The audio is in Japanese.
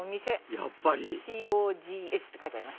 やっぱり「ＣＯＧＳ」って書いてあります。